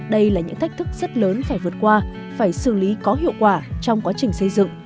đây là những thách thức rất lớn phải vượt qua phải xử lý có hiệu quả trong quá trình xây dựng